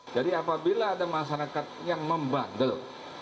apabila ada masyarakat yang membandel